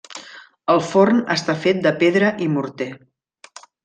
El forn està fet de pedra i morter.